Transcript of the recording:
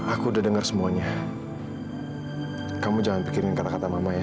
aku udah denger semuanya kamu jangan pikirin kata kata mama ya